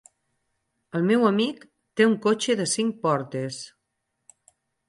El meu amic té un cotxe de cinc portes.